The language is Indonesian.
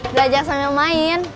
belajar sambil main